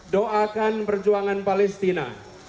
doakan perjuangan palestina